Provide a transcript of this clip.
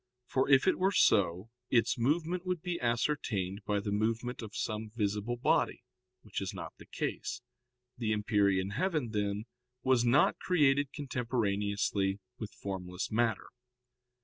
For if it were so, its movement would be ascertained by the movement of some visible body, which is not the case. The empyrean heaven, then, was not created contemporaneously with formless matter.